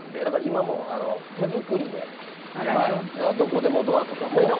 だから今も手作りでどこでもドアとかも。